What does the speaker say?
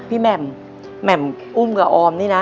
แหม่มแหม่มอุ้มกับออมนี่นะ